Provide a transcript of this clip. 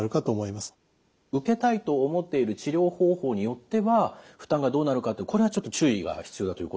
受けたいと思っている治療方法によっては負担がどうなるかってこれはちょっと注意が必要だという。